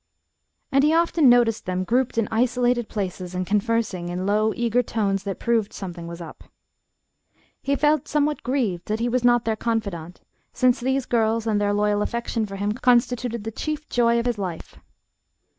And he often noticed them grouped in isolated places and conversing in low, eager tones that proved "something was up." He felt somewhat grieved that he was not their confidant, since these girls and their loyal affection for him constituted the chief joy of his life.